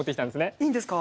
いいんですか？